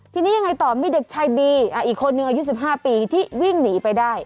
ทีนี้ยังไงต่อมีเด็กชายบีอีกคนนึงอายุ๑๕ปีที่วิ่งหนีไปได้